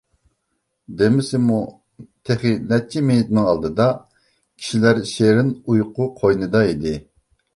دېمىسىمۇ، تېخى نەچچە مىنۇتنىڭ ئالدىدا كىشىلەر شېرىن ئۇيقۇ قوينىدا ئىدى.